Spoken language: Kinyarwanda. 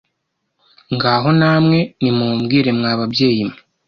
ngaho namwe nimumbwire mw’ababyeyi mwe